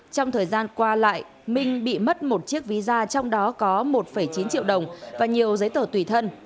trong thời gian qua lại minh bị mất một chiếc ví da trong đó có một chín triệu đồng và nhiều giấy tờ tùy thân